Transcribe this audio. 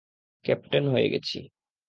Captain হয়ে গেছি!